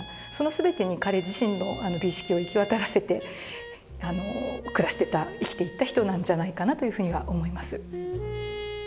その全てに彼自身の美意識を行き渡らせて生きていった人なんじゃないかなというふうには思います。